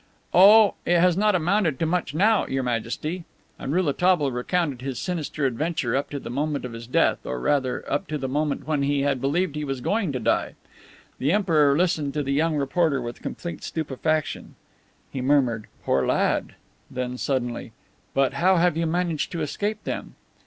"Oh, it has not amounted to much now, Your Majesty." And Rouletabille recounted his sinister adventure, up to the moment of his death, or, rather, up to the moment when he had believed he was going to die. The Emperor listened to the young reporter with complete stupefaction. He murmured, "Poor lad!" then, suddenly: "But how have you managed to escape them?"